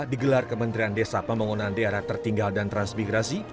digelar kementerian desa pembangunan daerah tertinggal dan transmigrasi